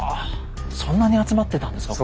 そんなに集まってたんですか？